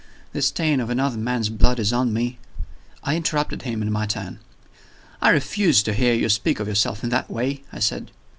The stain of another man's blood is on me " I interrupted him in my turn. "I refuse to hear you speak of yourself in that way," I said.